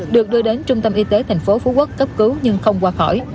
được đưa đến trung tâm y tế tp phú quốc cấp cứu nhưng không qua khỏi